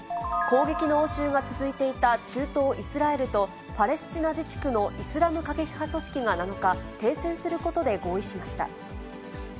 攻撃の応酬が続いていた中東イスラエルとパレスチナ自治区のイスラム過激派組織が７日、停戦することで合意しました。